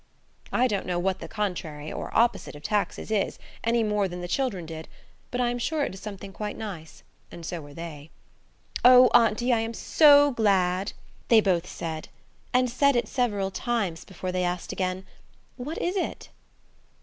I don't know what the contrary (or opposite) of taxes is, any more than the children did–but I am sure it is something quite nice–and so were they. "Oh, auntie, I am so glad," they both said, and said it several times before they asked again, "What is it?"